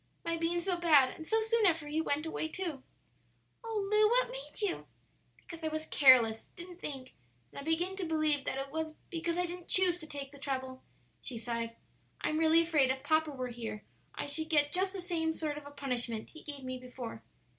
my being so bad; and so soon after he went away, too." "Oh, Lu, what made you?" "Because I was careless; didn't think; and I begin to believe that it was because I didn't choose to take the trouble," she sighed. "I'm really afraid if papa were here I should get just the same sort of a punishment he gave me before.